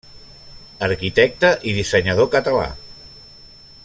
Arquitecte i dissenyador català.